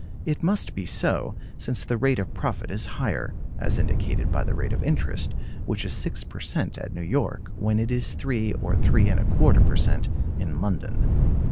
It must be so, since the rate of profit is higher; as indicated by the rate of interest, which is six per cent at New York when it is three or three and a quarter per cent in London.